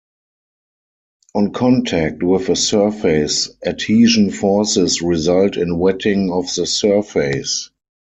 On contact with a surface, adhesion forces result in wetting of the surface.